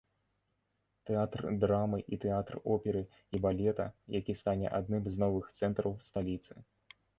Тэатр драмы і тэатр оперы і балета, які стане адным з новых цэнтраў сталіцы!